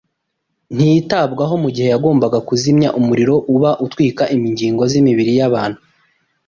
ntiyitabwaho mu gihe yagombaga kuzimya umuriro uba utwika ingingo z’imibiri y’abantu.